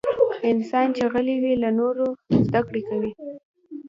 انسان چې غلی وي، له نورو زدکړه کوي.